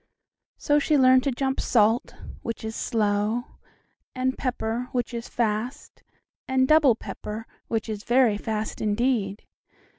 So she learned to jump "salt," which is slow, and "pepper," which is fast, and "double pepper," which is very fast indeed.